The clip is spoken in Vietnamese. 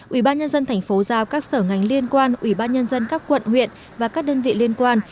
ủy ban nhân dân thành phố giao các sở ngành liên quan ủy ban nhân dân các quận huyện và các đơn vị liên quan